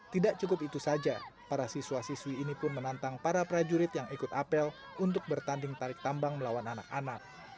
tidak cukup itu saja para siswa siswi ini pun menantang para prajurit yang ikut apel untuk bertanding tarik tambang melawan anak anak